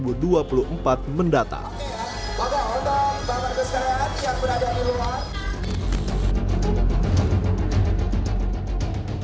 oke ya pokok untuk bangga kesekaraan yang berada di luar